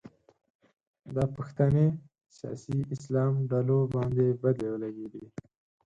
دا پوښتنې سیاسي اسلام ډلو باندې بدې ولګېدې